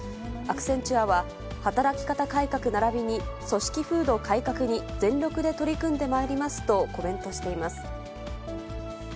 アクセンチュアは、働き方改革ならびに組織風土改革に全力で取り組んでまいりますとコメントしています。